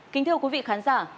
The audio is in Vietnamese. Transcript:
kính thưa quý vị khán giả